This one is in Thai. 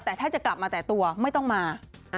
แต่ถ้าจะกลับมาแต่ตัวไม่ต้องมา